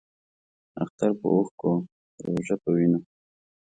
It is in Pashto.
اختر پۀ اوښکو ، روژۀ پۀ وینو